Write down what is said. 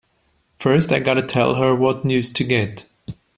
First I gotta tell her what news to get!